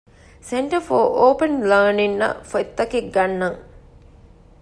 ސެންޓަރ ފޯރ އޯޕަން ލާނިންގއަށް ފޮތްތައް ގަންނަން